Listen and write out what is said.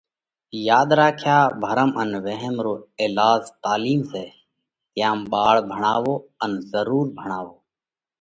ياڌ راکيا ڀرم ان وهم رو ايلاز تعلِيم سئہ، تيام ٻاۯ ڀڻاوو ان ضرُور ڀڻاوو۔